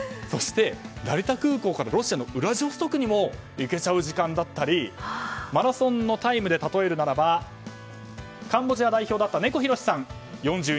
そして成田空港からロシアのウラジオストクにも行けちゃう時間だったりマラソンのタイムでたとえるならばカンボジア代表だった猫ひろしさん４２．１９５